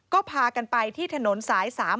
ก็พากันไปที่ถนนสาย๓๔